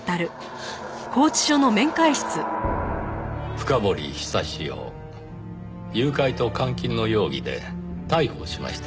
深堀久司を誘拐と監禁の容疑で逮捕しました。